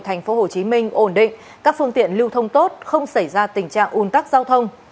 thành phố hồ chí minh ổn định các phương tiện lưu thông tốt không xảy ra tình trạng un tắc giao thông